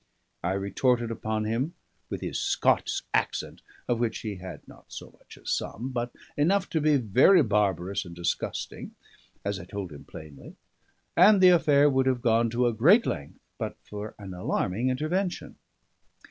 I retorted upon him with his Scots accent, of which he had not so much as some, but enough to be very barbarous and disgusting, as I told him plainly; and the affair would have gone to a great length, but for an alarming intervention.